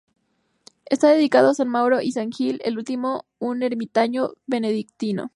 Está dedicado a San Mauro y San Gil, el último un ermitaño benedictino.